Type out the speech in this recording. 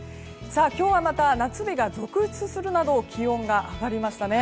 今日は、また夏日が続出するなど気温が上がりましたね。